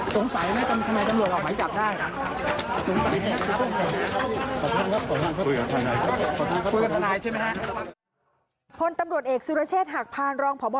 เกี่ยวกับยาเสพติดจริงไหมครับ